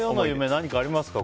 何かありますか？